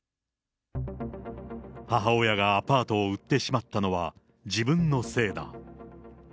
母親がアパートを売ってしまったのは自分のせいだ。